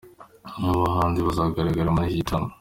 Bamwe mu bahanzi bazagaragara muri iki gitaramo